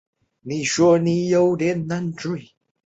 鳄梨油是指用鳄梨果实压榨而成的植物油。